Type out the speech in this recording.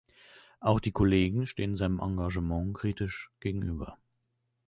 Auch die Kollegen stehen seinem Engagement kritisch gegenüber.